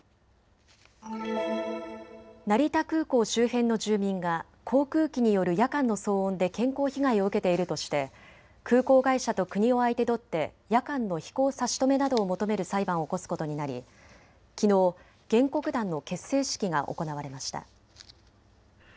成田空港周辺の住民が航空機による夜間の騒音で健康被害を受けているとして空港会社と国を相手取って夜間の飛行差し止めなどを求める裁判を起こすことになりきのう原告団の結成式が行われました。